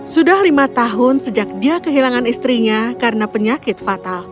sudah lima tahun sejak dia kehilangan istrinya karena penyakit fatal